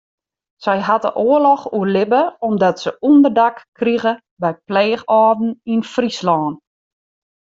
Sy hat de oarloch oerlibbe omdat se ûnderdak krige by pleechâlden yn Fryslân.